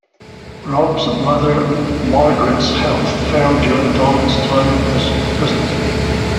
Rob's mother Margaret's health failed during Donald's time in prison.